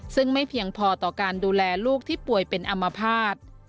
ซึ่งไม่เพียงพอต่อการดูแลลูกที่ป่วยเป็นอมภาษณ์